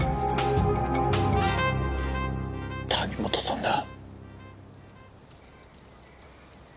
谷本さんだ。